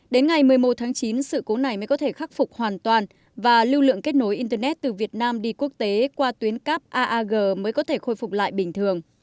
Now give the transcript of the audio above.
đến ngày một mươi một tháng chín sự cố này mới có thể khắc phục hoàn toàn và lưu lượng kết nối internet từ việt nam đi quốc tế qua tuyến cắp aag mới có thể khôi phục lại bình thường